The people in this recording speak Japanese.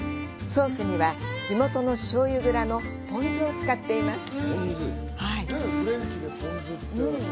ソースには、地元の醤油蔵のポン酢を使っています。